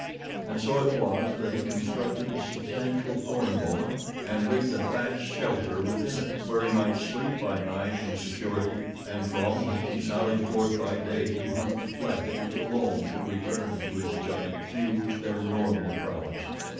And so it was that he constructed a substantial thorn boma, and rigged a thatched shelter within it, where he might sleep by night in security, and from which he sallied forth by day to hunt the flesh which alone could return to his giant thews their normal prowess.